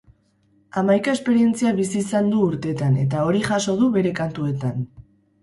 Hamaika esperientzia bizi izan du urtetan eta hori jaso du bere kantuetan.